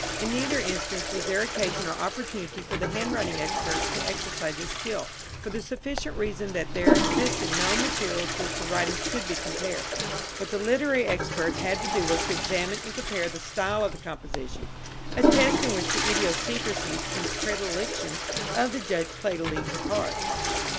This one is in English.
In neither instance was there occasion or opportunity for the handwriting expert to exercise his skill, for the sufficient reason that there existed no material with which the writings could be compared. What the literary expert had to do was to examine and compare the style of the compositions a test in which the idiosyncrasies and predilections of the judge played a leading part.